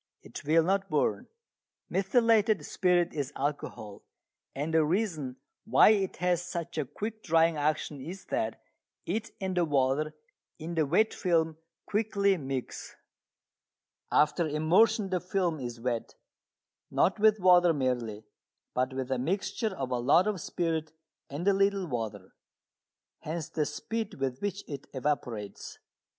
It will not burn. Methylated spirit is alcohol, and the reason why it has such a quick drying action is that it and the water in the wet film quickly mix. After immersion the film is wet, not with water merely, but with a mixture of a lot of spirit and a little water. Hence the speed with which it evaporates.